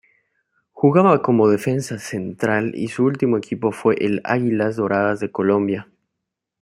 Jugaba como defensa central y su último equipo fue el Águilas Doradas de Colombia.